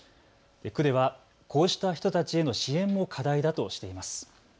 区ではこうした人たちへの支援も課題だとしています。